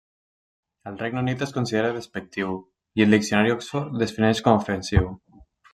Al Regne Unit es considera despectiu, i el diccionari Oxford defineix com a ofensiu.